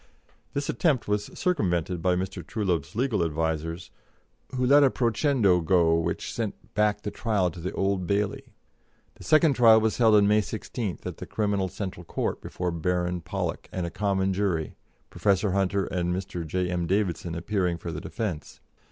This attempt was circumvented by Mr. Truelove's legal advisers, who let a procedendo go which sent back the trial to the Old Bailey. The second trial was held on May 16th at the Central Criminal Court before Baron Pollock and a common jury, Professor Hunter and Mr. J.M. Davidson appearing for the defence.